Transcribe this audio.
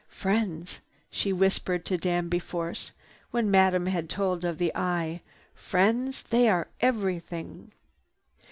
"Friends," she whispered to Danby Force, when Madame had told of the Eye, "Friends, they are everything!"